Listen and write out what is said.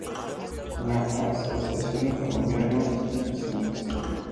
La Asociación de Colombianos Residentes en Paraguay.